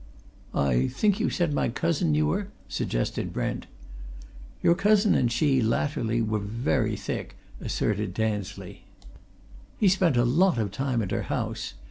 "I think you said my cousin knew her?" suggested Brent. "Your cousin and she, latterly, were very thick," asserted Tansley. "He spent a lot of time at her house.